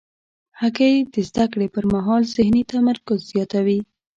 هګۍ د زده کړې پر مهال ذهني تمرکز زیاتوي.